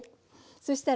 そしたらね